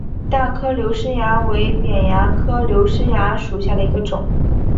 大颗瘤虱蚜为扁蚜科颗瘤虱蚜属下的一个种。